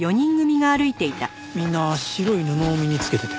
みんな白い布を身につけてて。